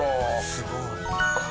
すごい。